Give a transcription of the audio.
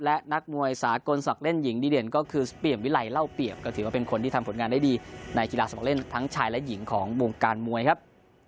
และนักมวยสากลศักดิ์เล่นหญิงดีเด่นก็คือเปลี่ยนวิไลเล่าเปรียบก็ถือว่าเป็นคนที่ทำผลงานได้ดีในกีฬาสมัครเล่นทั้งชายและหญิงของวงการมวยครับ